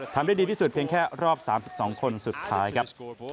ทำได้ดีที่สุดเพียงแค่รอบ๓๒คนสุดท้ายครับ